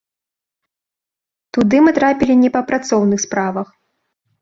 Туды мы трапілі не па працоўных справах.